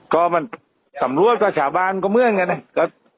ก็มันสำรวจก็ชาวบ้านก็เหมือนกันนะ